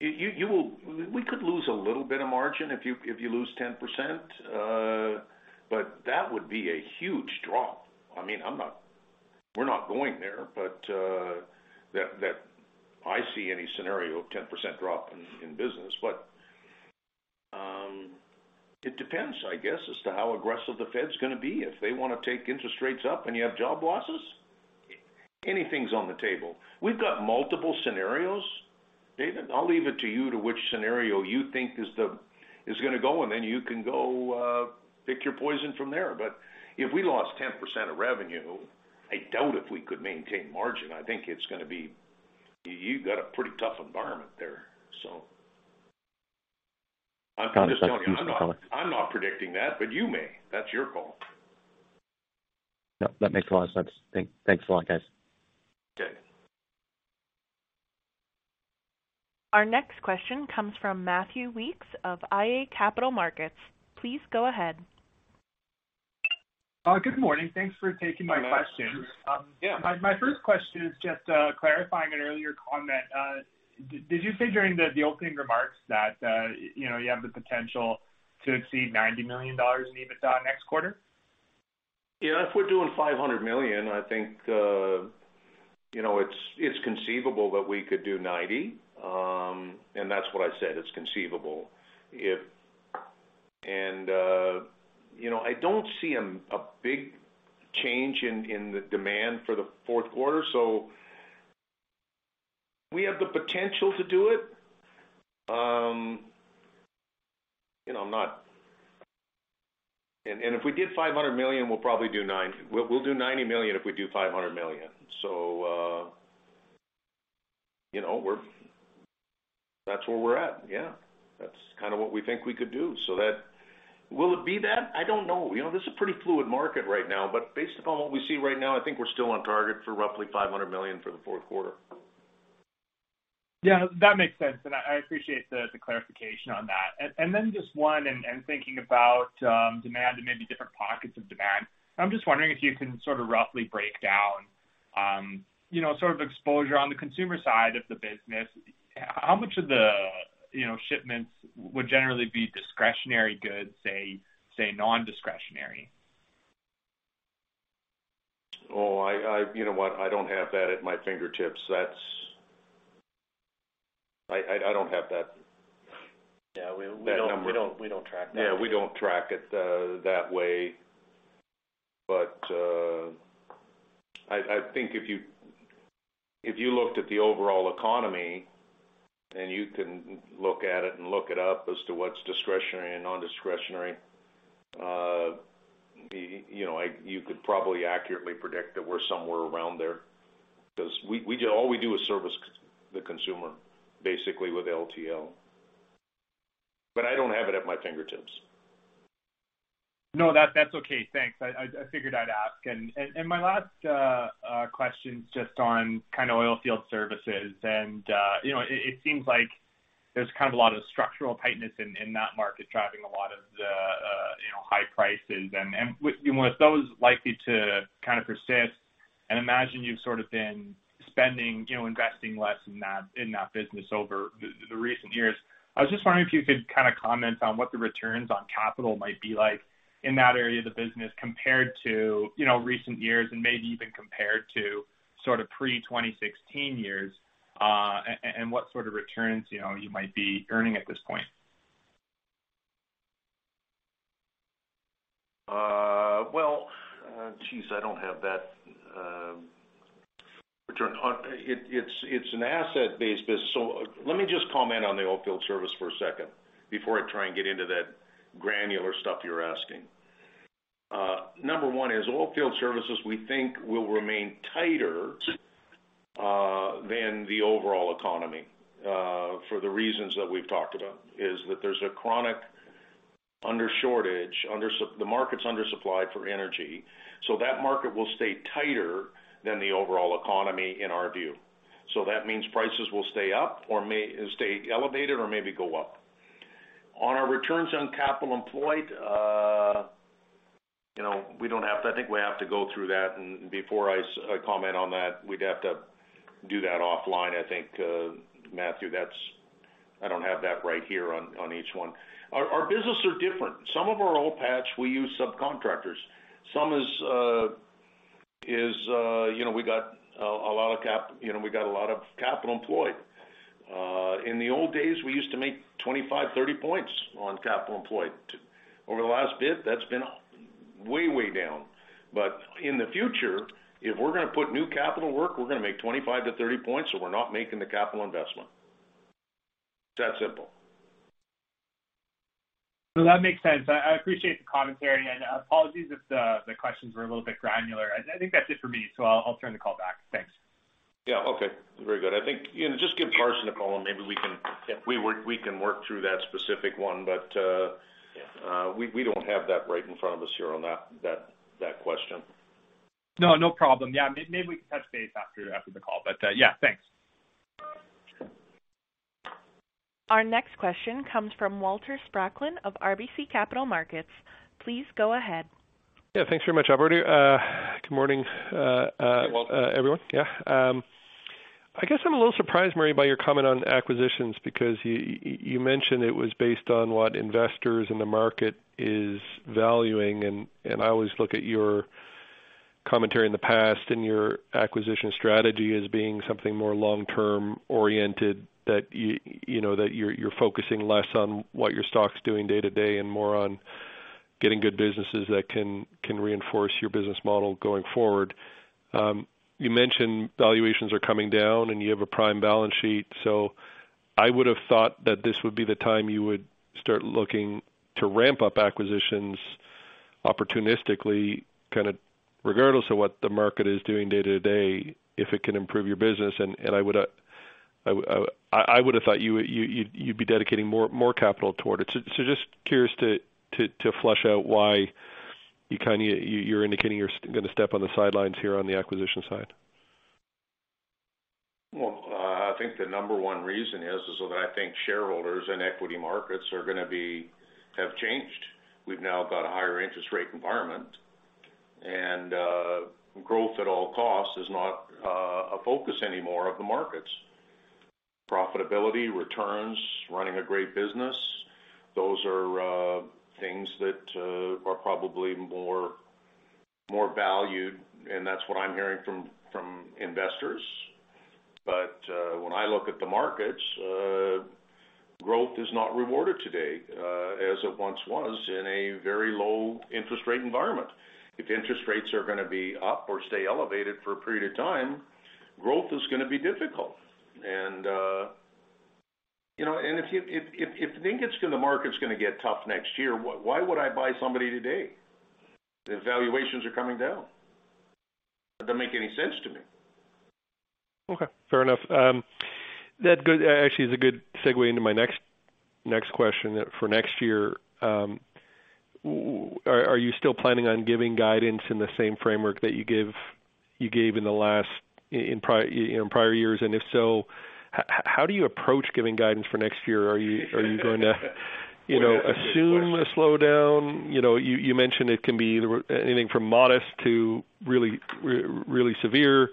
We could lose a little bit of margin if you lose 10%, but that would be a huge drop. I mean, we're not going there, but that I see any scenario of 10% drop in business. It depends, I guess, as to how aggressive the Fed's gonna be. If they wanna take interest rates up and you have job losses, anything's on the table. We've got multiple scenarios, David. I'll leave it to you to which scenario you think is gonna go, and then you can go, pick your poison from there. If we lost 10% of revenue, I doubt if we could maintain margin. I think it's gonna be. You've got a pretty tough environment there, so. Got it. I'm just telling you, I'm not predicting that, but you may. That's your call. No. That makes a lot of sense. Thanks a lot, guys. Okay. Our next question comes from Matthew Weekes of iA Capital Markets. Please go ahead. Good morning. Thanks for taking my question. Yeah. My first question is just clarifying an earlier comment. Did you say during the opening remarks that you know you have the potential to exceed 90 million dollars in EBITDA next quarter? Yeah. If we're doing 500 million, I think, you know, it's conceivable that we could do 90 million. That's what I said, it's conceivable. You know, I don't see a big change in the demand for the fourth quarter, so we have the potential to do it. You know, if we did 500 million, we'll probably do 90 million. We'll do 90 million if we do 500 million. You know, we're that's where we're at. Yeah. That's kinda what we think we could do. Will it be that? I don't know. You know, this is a pretty fluid market right now, but based upon what we see right now, I think we're still on target for roughly 500 million for the fourth quarter. Yeah. That makes sense, and I appreciate the clarification on that. Then just one, thinking about demand and maybe different pockets of demand. I'm just wondering if you can sort of roughly break down. You know, sort of exposure on the consumer side of the business, how much of the, you know, shipments would generally be discretionary goods, say nondiscretionary? You know what? I don't have that at my fingertips. That's. I don't have that. Yeah, we don't. That number. We don't track that. Yeah, we don't track it that way. I think if you looked at the overall economy, and you can look at it and look it up as to what's discretionary and nondiscretionary, you know, you could probably accurately predict that we're somewhere around there. 'Cause we do all we do is service the consumer basically with LTL. I don't have it at my fingertips. No, that's okay. Thanks. I figured I'd ask. My last question is just on kind of oilfield services. You know, it seems like there's kind of a lot of structural tightness in that market driving a lot of the, you know, high prices. With those likely to kind of persist, imagine you've sort of been spending, you know, investing less in that business over the recent years. I was just wondering if you could kind of comment on what the returns on capital might be like in that area of the business compared to, you know, recent years and maybe even compared to sort of pre-2016 years, and what sort of returns, you know, you might be earning at this point. Well, geez, I don't have that. It's an asset-based business, so let me just comment on the oilfield services for a second before I try and get into that granular stuff you're asking. Number one is oilfield services, we think, will remain tighter than the overall economy for the reasons that we've talked about, is that there's a chronic shortage, the market's undersupplied for energy. That market will stay tighter than the overall economy in our view. That means prices will stay up or may stay elevated or maybe go up. On our returns on capital employed, you know, I think we have to go through that. Before I comment on that, we'd have to do that offline, I think, Matthew. I don't have that right here on each one. Our business are different. Some of our oil patch we use subcontractors. Some is, you know, we got a lot of capital employed. In the old days, we used to make 25 points-30 points on capital employed. Over the last bit, that's been way down. In the future, if we're gonna put new capital work, we're gonna make 25 points-30 points, or we're not making the capital investment. It's that simple. No, that makes sense. I appreciate the commentary, and apologies if the questions were a little bit granular. I think that's it for me, so I'll turn the call back. Thanks. Yeah, okay. Very good. I think, you know, just give Carson a call, and maybe we can work through that specific one. But. Yeah. We don't have that right in front of us here on that question. No, no problem. Yeah. Maybe we can touch base after the call. Yeah, thanks. Our next question comes from Walter Spracklin of RBC Capital Markets. Please go ahead. Yeah. Thanks very much, operator. Good morning, Hey, Walter. Everyone. Yeah. I guess I'm a little surprised, Murray, by your comment on acquisitions because you mentioned it was based on what investors in the market is valuing. I always look at your commentary in the past and your acquisition strategy as being something more long-term oriented that you know, that you're focusing less on what your stock's doing day-to-day and more on getting good businesses that can reinforce your business model going forward. You mentioned valuations are coming down, and you have a prime balance sheet. I would have thought that this would be the time you would start looking to ramp up acquisitions opportunistically, kind of regardless of what the market is doing day-to-day if it can improve your business. I would have thought you'd be dedicating more capital toward it. Just curious to flesh out why you're indicating you're gonna step on the sidelines here on the acquisition side. Well, I think the number one reason is that I think shareholders and equity markets have changed. We've now got a higher interest rate environment, and growth at all costs is not a focus anymore of the markets. Profitability, returns, running a great business, those are things that are probably more valued, and that's what I'm hearing from investors. When I look at the markets, growth is not rewarded today as it once was in a very low interest rate environment. If interest rates are gonna be up or stay elevated for a period of time, growth is gonna be difficult. You know, and if you think the market's gonna get tough next year, why would I buy somebody today if valuations are coming down? It doesn't make any sense to me. Okay. Fair enough. Actually is a good segue into my next question. For next year, are you still planning on giving guidance in the same framework that you gave in prior years? And if so, how do you approach giving guidance for next year? Are you going to, you know, assume a slowdown. You know, you mentioned it can be anything from modest to really severe.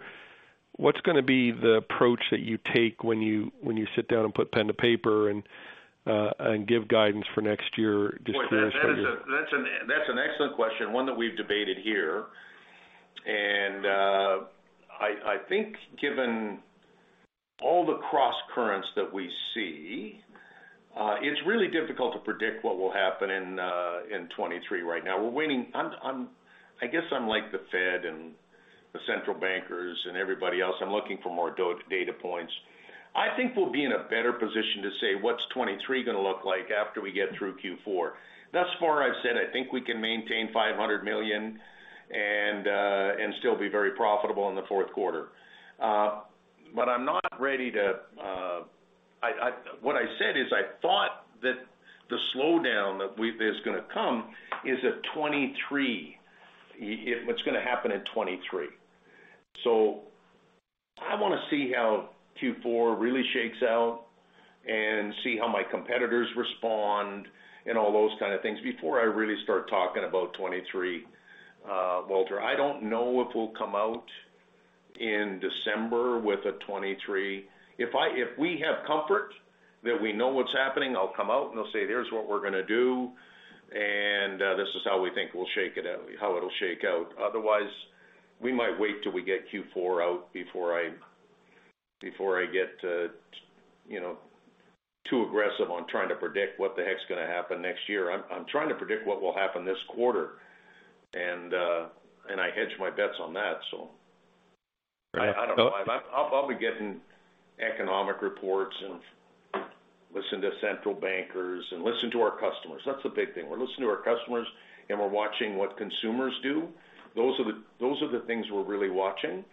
What's gonna be the approach that you take when you sit down and put pen to paper and give guidance for next year? Boy, that's an excellent question, one that we've debated here. I think given all the crosscurrents that we see, it's really difficult to predict what will happen in 2023 right now. I guess I'm like the Fed and the central bankers and everybody else. I'm looking for more data points. I think we'll be in a better position to say what's 2023 gonna look like after we get through Q4. Thus far, I've said I think we can maintain 500 million and still be very profitable in the fourth quarter. I'm not ready to. What I said is I thought that the slowdown that's gonna come is a 2023. What's gonna happen in 2023. I wanna see how Q4 really shakes out and see how my competitors respond and all those kind of things before I really start talking about 2023, Walter. I don't know if we'll come out in December with a 2023. If we have comfort that we know what's happening, I'll come out, and I'll say, "Here's what we're gonna do, and this is how we think we'll shake it out." Otherwise, we might wait till we get Q4 out before I get too aggressive on trying to predict what the heck's gonna happen next year. I'm trying to predict what will happen this quarter, and I hedge my bets on that. I don't know. I'll probably get in economic reports and listen to central bankers and listen to our customers. That's the big thing. We're listening to our customers, and we're watching what consumers do. Those are the things we're really watching,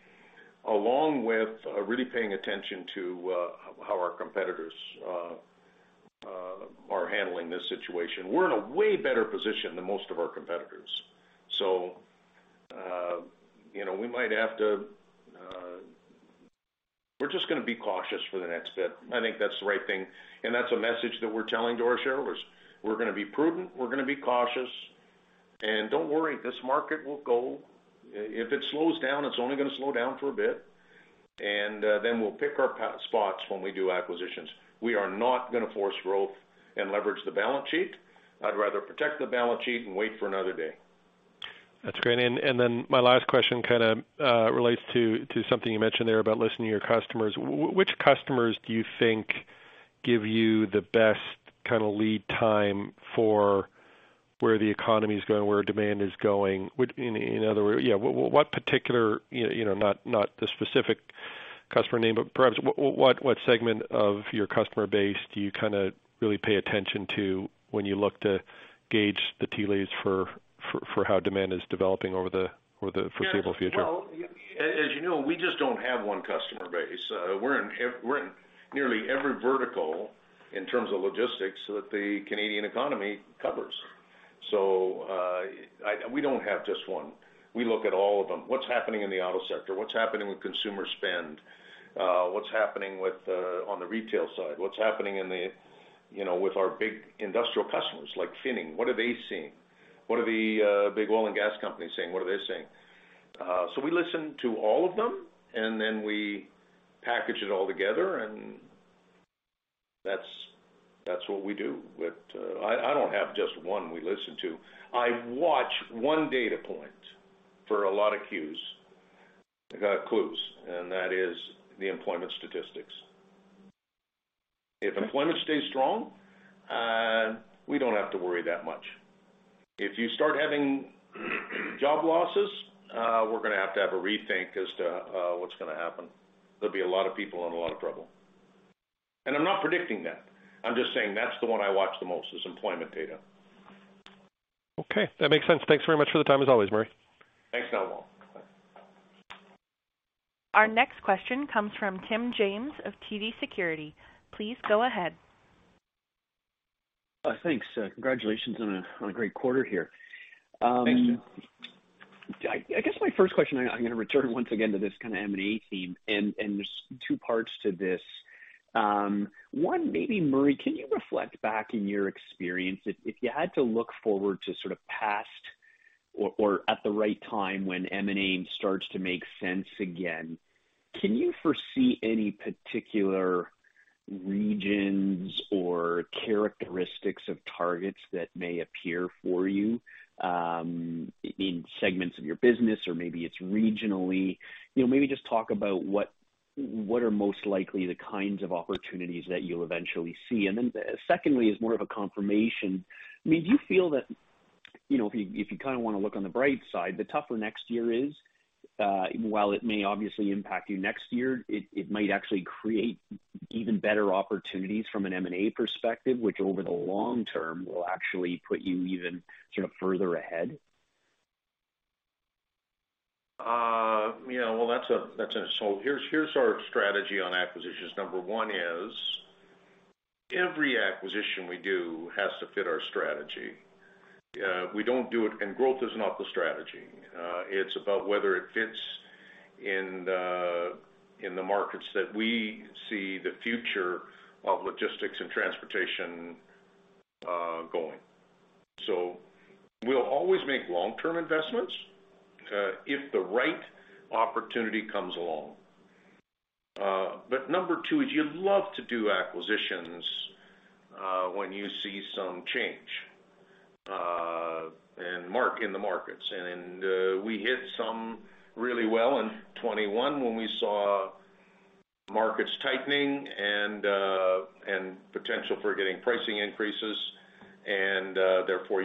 along with really paying attention to how our competitors are handling this situation. We're in a way better position than most of our competitors. You know, we're just gonna be cautious for the next bit. I think that's the right thing, and that's a message that we're telling to our shareholders. We're gonna be prudent, we're gonna be cautious, and don't worry, this market will go. If it slows down, it's only gonna slow down for a bit, and then we'll pick our spots when we do acquisitions. We are not gonna force growth and leverage the balance sheet. I'd rather protect the balance sheet and wait for another day. That's great. My last question kinda relates to something you mentioned there about listening to your customers. Which customers do you think give you the best kinda lead time for where the economy is going, where demand is going? In other words, yeah, what particular, you know, not the specific customer name, but perhaps what segment of your customer base do you kinda really pay attention to when you look to gauge the tea leaves for how demand is developing over the foreseeable future? Well, as you know, we just don't have one customer base. We're in nearly every vertical in terms of logistics that the Canadian economy covers. We don't have just one. We look at all of them. What's happening in the auto sector? What's happening with consumer spend? What's happening with, on the retail side? What's happening in the, you know, with our big industrial customers like Finning? What are they seeing? What are the big oil and gas companies saying? What are they saying? We listen to all of them, and then we package it all together, and that's what we do with. I don't have just one we listen to. I watch one data point for a lot of clues, and that is the employment statistics. If employment stays strong, we don't have to worry that much. If you start having job losses, we're gonna have to have a rethink as to what's gonna happen. There'll be a lot of people in a lot of trouble. I'm not predicting that. I'm just saying that's the one I watch the most is employment data. Okay. That makes sense. Thanks very much for the time as always, Murray. Thanks, Walter. Bye. Our next question comes from Tim James of TD Securities. Please go ahead. Thanks. Congratulations on a great quarter here. Thanks, Tim. I guess my first question. I'm gonna return once again to this kinda M&A theme, and there's two parts to this. One, maybe Murray, can you reflect back in your experience if you had to look forward to sort of past or at the right time when M&A starts to make sense again. Can you foresee any particular regions or characteristics of targets that may appear for you in segments of your business or maybe it's regionally? You know, maybe just talk about what are most likely the kinds of opportunities that you'll eventually see. Secondly is more of a confirmation. I mean, do you feel that, you know, if you, if you kinda wanna look on the bright side, the tougher next year is, while it may obviously impact you next year, it might actually create even better opportunities from an M&A perspective, which over the long term will actually put you even sort of further ahead? You know, well, here's our strategy on acquisitions. Number one is every acquisition we do has to fit our strategy. We don't do it. Growth is not the strategy. It's about whether it fits in the markets that we see the future of logistics and transportation going. We'll always make long-term investments if the right opportunity comes along. Number two is you love to do acquisitions when you see some change in the markets. We hit some really well in 2021 when we saw markets tightening and potential for getting pricing increases. Therefore,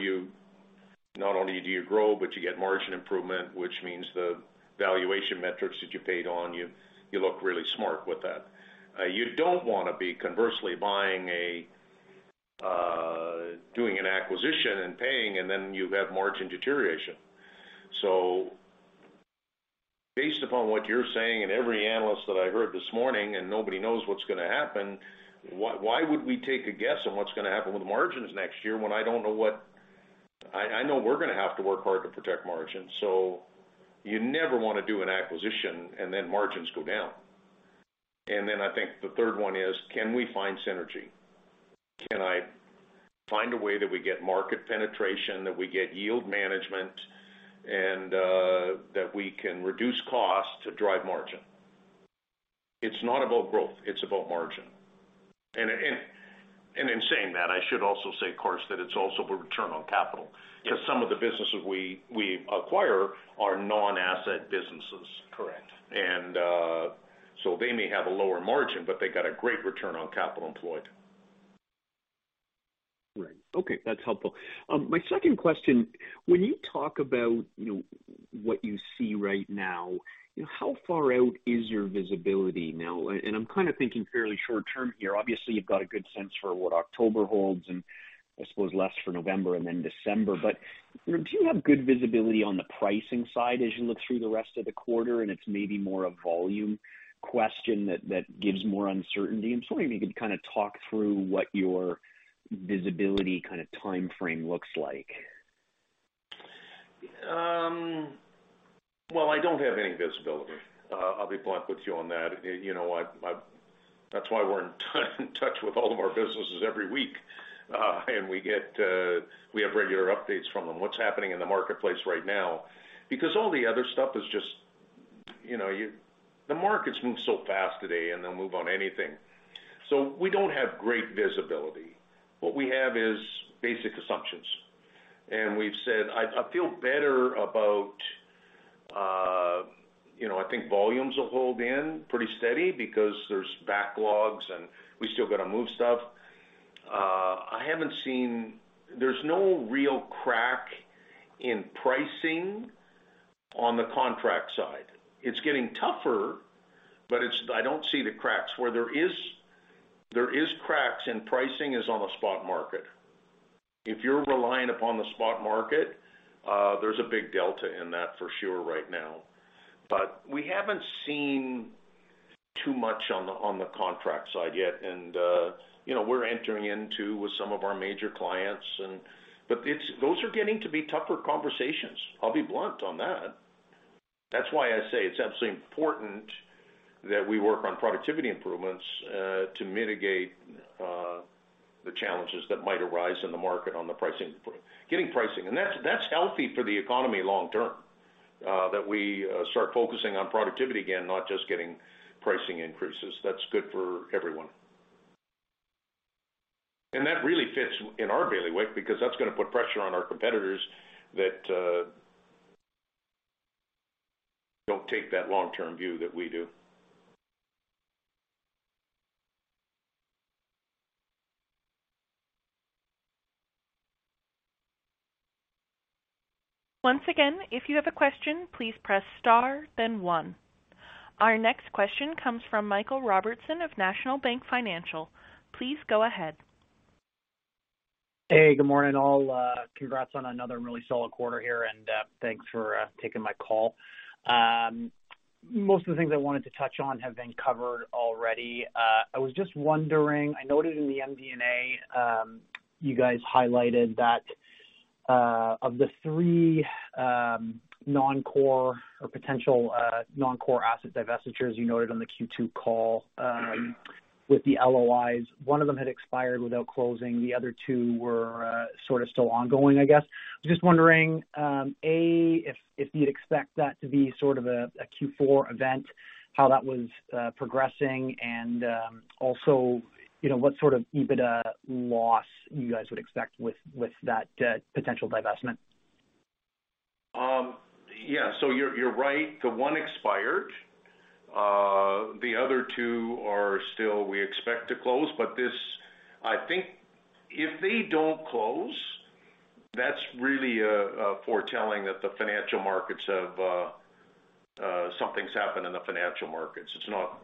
not only do you grow, but you get margin improvement, which means the valuation metrics that you paid on you look really smart with that. You don't wanna be conversely doing an acquisition and paying, and then you have margin deterioration. Based upon what you're saying, and every analyst that I heard this morning, and nobody knows what's gonna happen, why would we take a guess on what's gonna happen with margins next year when I don't know what I know we're gonna have to work hard to protect margins. You never wanna do an acquisition and then margins go down. I think the third one is, can we find synergy? Can I find a way that we get market penetration, that we get yield management, and that we can reduce costs to drive margin? It's not about growth, it's about margin. In saying that, I should also say, of course, that it's also the return on capital. Yes. 'Cause some of the businesses we acquire are non-asset businesses. Correct. They may have a lower margin, but they got a great return on capital employed. Right. Okay. That's helpful. My second question, when you talk about, you know, what you see right now, you know, how far out is your visibility now? And I'm kinda thinking fairly short term here. Obviously, you've got a good sense for what October holds, and I suppose less for November and then December. But, you know, do you have good visibility on the pricing side as you look through the rest of the quarter, and it's maybe more a volume question that gives more uncertainty? I'm just wondering if you could kinda talk through what your visibility kinda timeframe looks like. Well, I don't have any visibility. I'll be blunt with you on that. You know what? That's why we're in touch with all of our businesses every week. We get, we have regular updates from them, what's happening in the marketplace right now. Because all the other stuff is just, you know, the markets move so fast today, and they'll move on anything. We don't have great visibility. What we have is basic assumptions. We've said, I feel better about, you know, I think volumes will hold in pretty steady because there's backlogs, and we still gotta move stuff. There's no real crack in pricing on the contract side. It's getting tougher, but I don't see the cracks. Where there is cracks in pricing is on the spot market. If you're reliant upon the spot market, there's a big delta in that for sure right now. We haven't seen too much on the contract side yet. You know, we're entering into with some of our major clients. Those are getting to be tougher conversations. I'll be blunt on that. That's why I say it's absolutely important that we work on productivity improvements to mitigate the challenges that might arise in the market on the pricing, getting pricing. That's healthy for the economy long term that we start focusing on productivity again, not just getting pricing increases. That's good for everyone. That really fits in our bailiwick because that's gonna put pressure on our competitors that don't take that long-term view that we do. Once again, if you have a question, please press star then one. Our next question comes from Michael Robertson of National Bank Financial. Please go ahead. Hey, good morning, all. Congrats on another really solid quarter here, and thanks for taking my call. Most of the things I wanted to touch on have been covered already. I was just wondering, I noted in the MD&A, you guys highlighted that of the three non-core or potential non-core asset divestitures you noted on the Q2 call, with the LOIs, one of them had expired without closing, the other two were sort of still ongoing, I guess. Just wondering, A, if you'd expect that to be sort of a Q4 event, how that was progressing, and also, you know, what sort of EBITDA loss you guys would expect with that potential divestment? You're right. The one expired. The other two, we still expect to close. I think if they don't close, that's really foretelling that something's happened in the financial markets. It's not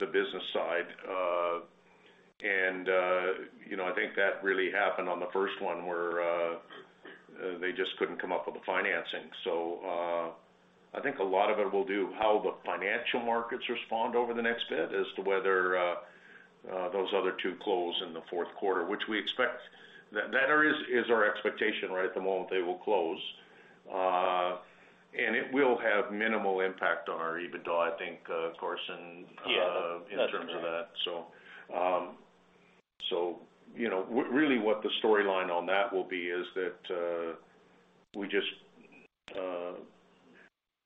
the business side. You know, I think that really happened on the first one where they just couldn't come up with the financing. I think a lot of it will depend on how the financial markets respond over the next bit as to whether those other two close in the fourth quarter, which we expect. That is our expectation right at the moment they will close. It will have minimal impact on our EBITDA, I think, Carson. Yeah. In terms of that, you know, really what the storyline on that will be is that we just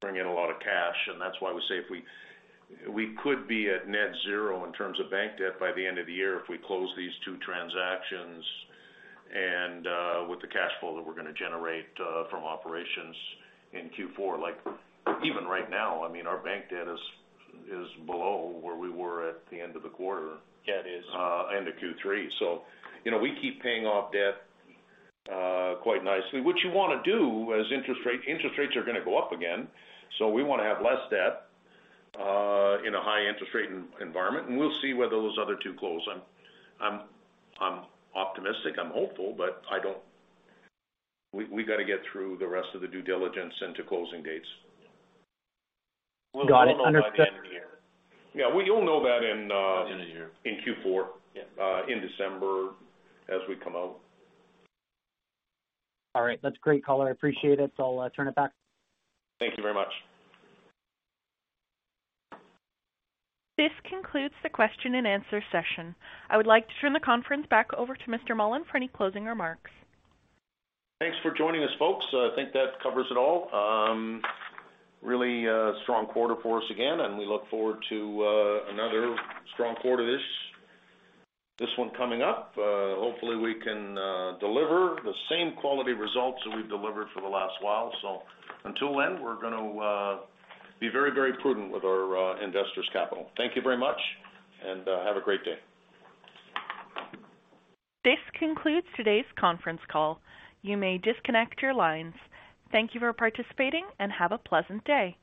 bring in a lot of cash, and that's why we say if we could be at net zero in terms of bank debt by the end of the year if we close these two transactions and with the cash flow that we're gonna generate from operations in Q4. Like even right now, I mean, our bank debt is below where we were at the end of the quarter. Yeah, it is. End of Q3. You know, we keep paying off debt quite nicely. Interest rates are gonna go up again, so we wanna have less debt in a high interest rate environment, and we'll see whether those other two close. I'm optimistic, I'm hopeful. We gotta get through the rest of the due diligence and to closing dates. Yeah. Got it. Understood. Yeah, we'll know that in. End of the year. in Q4. Yeah. In December as we come out. All right. That's great color. I appreciate it. I'll turn it back. Thank you very much. This concludes the question and answer session. I would like to turn the conference back over to Mr. Mullen for any closing remarks. Thanks for joining us, folks. I think that covers it all. Really a strong quarter for us again, and we look forward to another strong quarter this one coming up. Hopefully, we can deliver the same quality results that we've delivered for the last while. Until then, we're gonna be very, very prudent with our investors' capital. Thank you very much, and have a great day. This concludes today's conference call. You may disconnect your lines. Thank you for participating, and have a pleasant day.